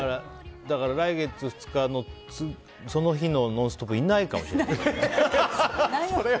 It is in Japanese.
だから、来月２日のその日の「ノンストップ！」はいないかもしれない。